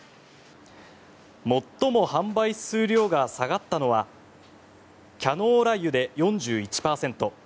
最も販売数量が下がったのはキャノーラ油で４１％